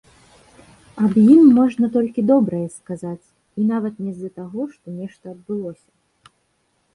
Аб ім можна толькі добрае сказаць, і нават не з-за таго, што нешта адбылося.